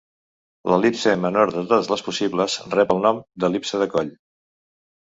L'el·lipse menor de totes les possibles rep el nom d'el·lipse de coll.